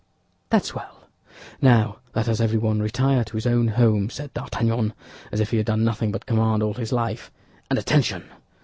"That's well! Now let us everyone retire to his own home," said D'Artagnan, as if he had done nothing but command all his life; "and attention!